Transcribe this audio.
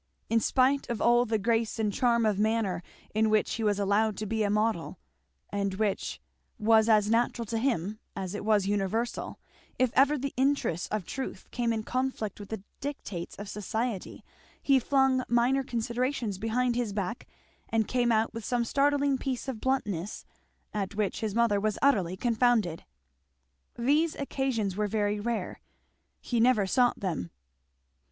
In spite of all the grace and charm of manner in which he was allowed to be a model, and which was as natural to him as it was universal, if ever the interests of truth came in conflict with the dictates of society he flung minor considerations behind his back and came out with some startling piece of bluntness at which his mother was utterly confounded. These occasions were very rare; he never sought them.